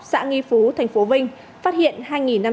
xã nghi phú tp vinh phát hiện hai năm trăm linh